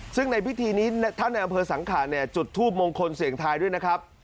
ซึ่งในพิธีนี้ท่านในอำเภอสังขะเนี่ยจุดทูปมงคลเสียงทายด้วยนะครับ